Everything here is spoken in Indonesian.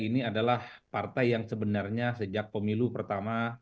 ini adalah partai yang sebenarnya sejak pemilu pertama